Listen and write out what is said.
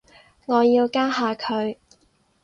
我要加下佢